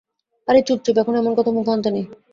আরে চুপ চুপ, এখন এমন কথা মুখে আনতে নেই।